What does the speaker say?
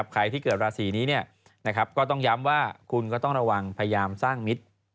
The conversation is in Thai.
ใครที่เกิดราศีนี้ก็ต้องย้ำว่าคุณก็ต้องระวังพยายามสร้างมิตร